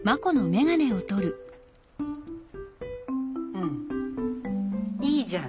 うんいいじゃん。